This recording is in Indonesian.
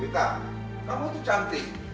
kamu itu cantik